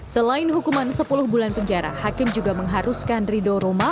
selain hukuman sepuluh bulan penjara hakim juga mengharuskan rido roma